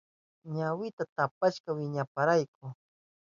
Ñawinta tapashka wiñaypayrayku.